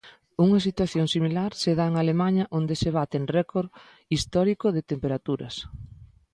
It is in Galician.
Unha situación similar se dá en Alemaña onde se baten récord histórico de temperaturas.